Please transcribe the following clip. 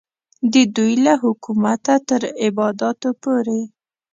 د دوی له حکومته تر عبادتونو پورې.